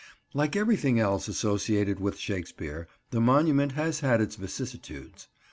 Like everything else associated with Shakespeare, the monument has had its vicissitudes.